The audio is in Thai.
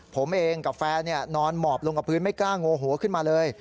ผมเองกับแฟนนอนหมอบลงกับพื้นไม่กล้าโงหัวขึ้นมาเลย